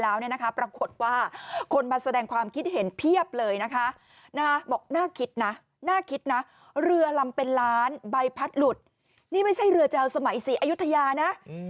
แล้วก็คิดไปได้ในหลายประเด็น